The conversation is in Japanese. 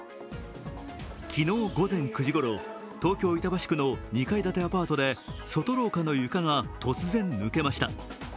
昨日午前９時ごろ、東京・板橋区の２階建てアパートで、外廊下の床が突然、抜けました。